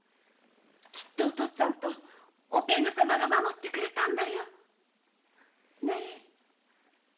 お父っつぁんとお天狗様が守ってくれたんだよ。